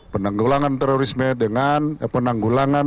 penanggulangan terorisme dengan penanggulangan